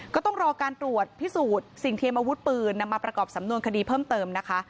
ก็ต้องรอการตรวจพิสูจน์สิ่งเทียมอาวุธปืนนำมาประกอบสำนวนคดีเพิ่มเติมนะคะ